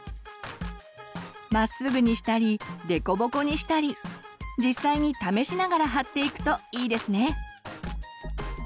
まっすぐにしたりデコボコにしたり実際に試しながら貼っていくといいですね。